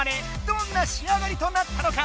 どんなしあがりとなったのか！